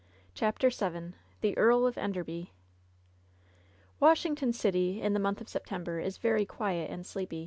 CHAPTER Vn THE EAEL OF BNDKEBY Washington City in the month of September is very quiet and sleep.